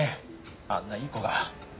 あんないい子が。